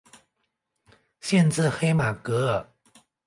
县治黑马戈尔。